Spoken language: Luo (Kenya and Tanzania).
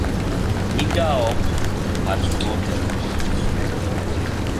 Migao mar somo otelone weche somo.